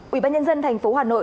ủy ban nhân dân thành phố hà nội